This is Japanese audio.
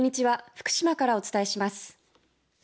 福島からお伝えします。